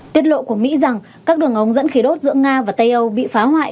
tiết lộ của mỹ rằng các đường ống dẫn khí đốt giữa nga và tây âu bị phá hoại